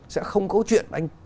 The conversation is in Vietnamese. sẽ không có chuyện anh